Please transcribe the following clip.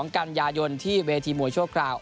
๑๒กรรยายนที่เวทีมวยโชคราว